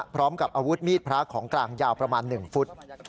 พร้อมกับอาวุธมีดพระของกลางยาวประมาณ๑ฟุต